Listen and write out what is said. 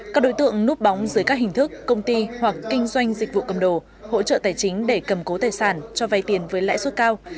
các đối tượng núp bóng dưới các hình thức công ty hoặc kinh doanh dịch vụ cầm đồ hỗ trợ tài chính để cầm cố tài sản cho vay tiền với lãi suất cao